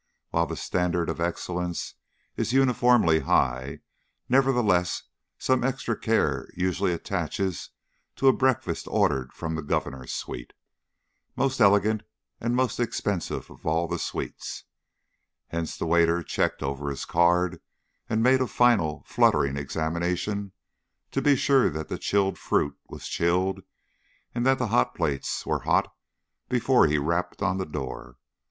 While the standard of excellence is uniformly high, nevertheless some extra care usually attaches to a breakfast ordered from the Governor's suite most elegant and most expensive of all the suites hence the waiter checked over his card and made a final, fluttering examination to be sure that the chilled fruit was chilled and that the hot plates were hot before he rapped on the door.